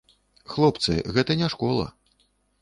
Хлопцы, гэта не школа.